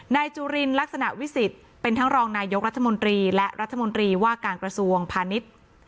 จุลินลักษณะวิสิทธิ์เป็นทั้งรองนายกรัฐมนตรีและรัฐมนตรีว่าการกระทรวงพาณิชย์